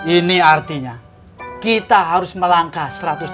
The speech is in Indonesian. ini artinya kita harus melangkah satu ratus dua puluh